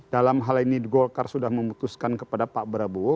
dalam hal ini golkar sudah memutuskan kepada pak prabowo